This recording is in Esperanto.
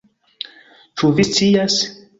Ĉu vi scias?